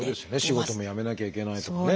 仕事も辞めなきゃいけないとかね